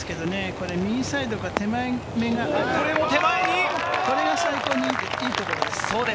これ右サイドが、手前めがこれが最高にいいところです。